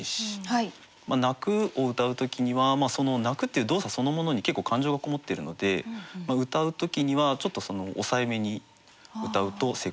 「泣」をうたう時にはその泣くっていう動作そのものに結構感情がこもってるのでうたう時にはちょっと抑えめにうたうと成功しやすい。